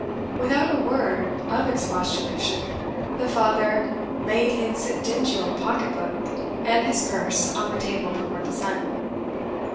Without a word of expostulation, the father laid his dingy old pocket book and his purse on the table before the son.